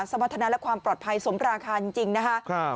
สมรรถนาและความปลอดภัยสมราคาจริงนะคะ